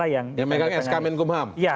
yang megang sk menkumham